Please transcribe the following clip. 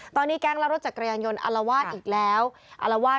ตอนนี้แกงรับรถจักรยายนอะละวาดอีกแล้วอะละวาด